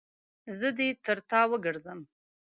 زه دې تر تا وګرځم.